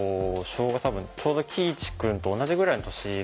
ちょうど多分喜一くんと同じぐらいの年かな？